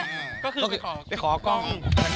ก็คือไปขอกล้องก็คือไปขอกล้อง